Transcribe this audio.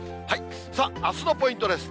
さあ、あすのポイントです。